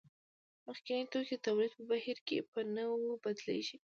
مخکیني توکي د تولید په بهیر کې په نویو بدلېږي